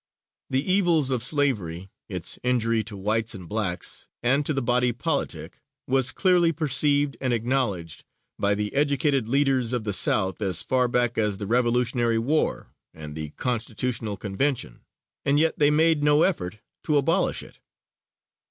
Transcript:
The evils of slavery, its injury to whites and blacks, and to the body politic, was clearly perceived and acknowledged by the educated leaders of the South as far back as the Revolutionary War and the Constitutional Convention, and yet they made no effort to abolish it.